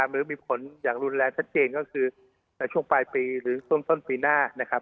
หรือมีผลอย่างรุนแรงชัดเจนก็คือในช่วงปลายปีหรือช่วงต้นปีหน้านะครับ